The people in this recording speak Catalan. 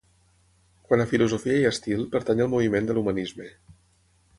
Quant a filosofia i estil pertany al moviment de l'humanisme.